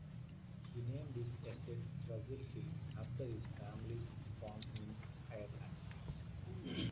He named his estate Russell Hill after his family's farm in Ireland.